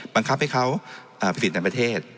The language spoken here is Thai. ปังคับให้เขาฟิษฐานประเทศ